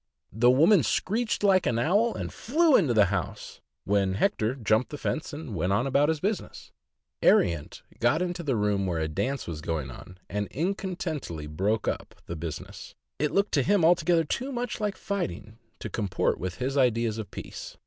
The woman screeched like an owl, and flew into the house, when Hector jumped the fence and went off about his business. Eriant got into the room where a dance was going on, and incontinently broke up 580 THE AMERICAN BOOK OF THE DOG. the business. It looked to him altogether too much likt fighting to comport with his ideas of peace.